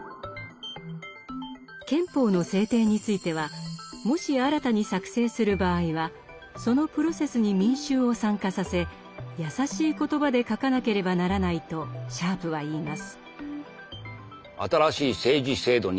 憲法の制定についてはもし新たに作成する場合はそのプロセスに民衆を参加させ易しい言葉で書かなければならないとシャープは言います。